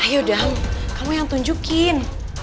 ayo dong kamu yang tunjukin